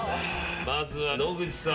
まずは野口さん。